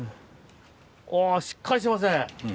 あぁしっかりしてますね。